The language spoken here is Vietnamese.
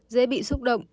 dễ bị xúc động